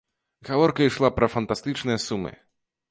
Гаворка ішла пра фантастычныя сумы.